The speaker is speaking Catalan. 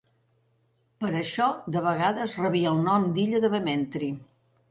Per això, de vegades rebia el nom d'"illa de Vementry".